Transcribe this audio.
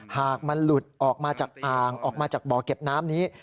หากมันหลุดออกมาจากอ่างออกมาจากบ่อเก็บน้ำนี้